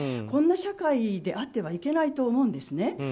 こんな社会であってはいけないと思うんですね。